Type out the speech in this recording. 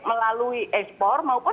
melalui ekspor maupun